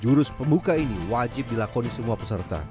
jurus pembuka ini wajib dilakoni semua peserta